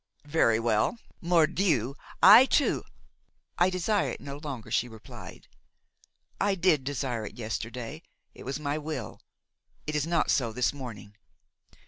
Very well! Mordieu! I too–" "I desire it no longer," she replied. "I did desire it yesterday, it was my will; it is not so this morning.